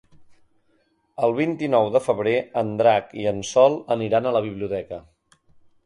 El vint-i-nou de febrer en Drac i en Sol aniran a la biblioteca.